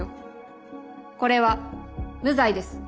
これは無罪です。